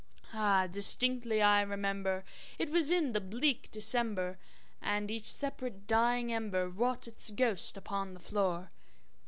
Ah, distinctly I remember it was in the bleak December, And each separate dying ember wrought its ghost upon the floor.